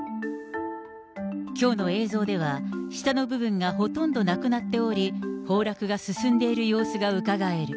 きょうの映像では、下の部分がほとんどなくなっており、崩落が進んでいる様子がうかがえる。